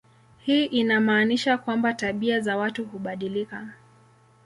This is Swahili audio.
Hii inamaanisha kwamba tabia za watu hubadilika.